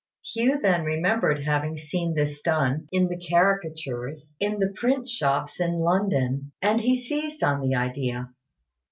Hugh then remembered having seen this done in the caricatures in the print shops in London; and he seized on the idea.